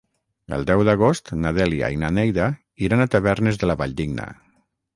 El deu d'agost na Dèlia i na Neida iran a Tavernes de la Valldigna.